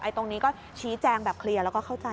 ตรงนี้ก็ชี้แจงแบบเคลียร์แล้วก็เข้าใจ